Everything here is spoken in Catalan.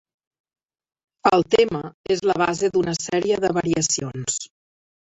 El tema és la base d'una sèrie de variacions.